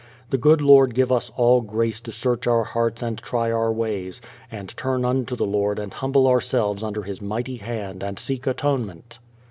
The good Lord give us all grace to search our hearts and try our ways, and turn unto the Lord and humble ourselves under His mighty hand and seek atonement.